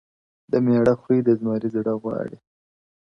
o د مېړه خوی د زمري زړه غواړي.